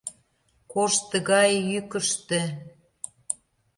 Кож тыгае йӱкыштӧ